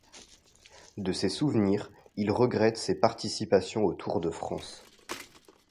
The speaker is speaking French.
De ses souvenirs, il regrette ses participations au Tour de France.